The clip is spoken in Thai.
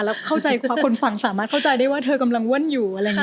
แล้วเข้าใจคำว่าคนฝั่งสามารถเข้าใจได้ว่าเธอกำลังเว่นอยู่ไง